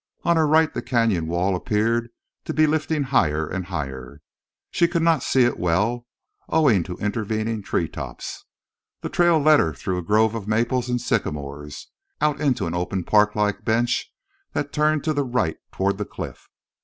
On her right the canyon wall appeared to be lifting higher—and higher. She could not see it well, owing to intervening treetops. The trail led her through a grove of maples and sycamores, out into an open park like bench that turned to the right toward the cliff.